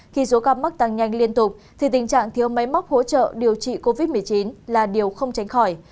khi số ca mắc tăng nhanh liên tục thì tình trạng thiếu máy móc hỗ trợ điều trị covid một mươi chín là điều không tránh khỏi